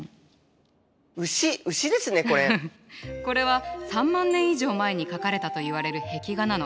これは３万年以上前に描かれたといわれる壁画なの。